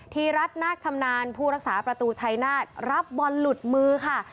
ทีรัฐนาคชำนาญผู้รักษาประตูชัยนาฏรับบอลหลุดมือค่ะ